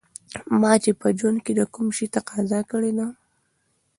ما چې په ژوند کې د کوم شي تقاضا کړې ده